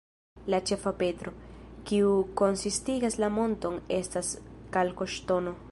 La ĉefa petro, kiu konsistigas la monton, estas kalkoŝtono.